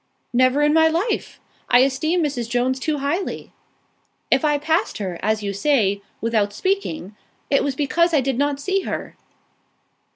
"Never in my life. I esteem Mrs. Jones too highly. If I passed her, as you say, without speaking, it was because I did not see her."